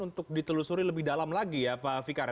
untuk ditelusuri lebih dalam lagi ya pak fikar